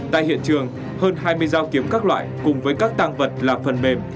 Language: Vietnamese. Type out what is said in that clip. tại hiện trường hơn hai mươi dao kiếm các loại cùng với các tăng vật là phần mềm